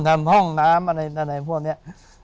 ทำห้องน้ำอะไรพวกเนี่ย